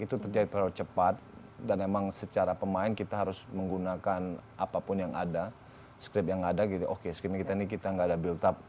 itu terjadi terlalu cepat dan emang secara pemain kita harus menggunakan apapun yang ada script yang ada gitu oke screening kita ini kita nggak ada build up